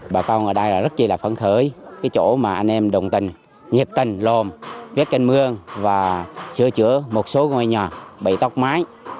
bà con ở đây rất là phấn khởi cái chỗ mà anh em đồng tình nhiệt tình lồn viết canh mương và sửa chữa một số ngôi nhà bị tóc mái